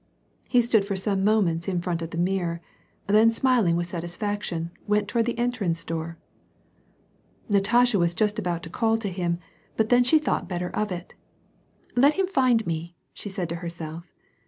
He stood for some moments in front of the mirror ; then smiling with satisfaction, went toward the entrance door. Natasha was just about to call to him, but then she thought better of it. " Let him find me," she said to herself.